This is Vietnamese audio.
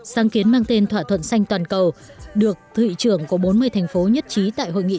sáng kiến mang tên thỏa thuận xanh toàn cầu được thụy trưởng của bốn mươi thành phố nhất trí tại hội nghị